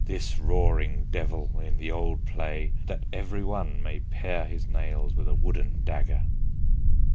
this roaring devil i' the old play that every one may pare his nails with a wooden dagger."